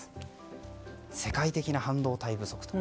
世界的な半導体不足と。